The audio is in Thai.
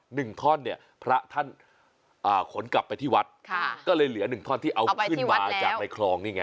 หนึ่งท่อนเนี่ยพระท่านอ่าขนกลับไปที่วัดค่ะก็เลยเหลือหนึ่งท่อนที่เอาขึ้นมาจากในคลองนี่ไง